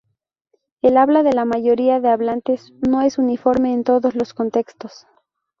El habla de la mayoría de hablantes no es uniforme en todos los contextos.